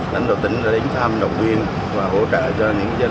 lãnh đạo tỉnh đã đánh tham động viên và hỗ trợ cho những dân